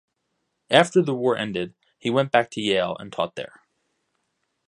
After the war ended, he went back to Yale and taught there.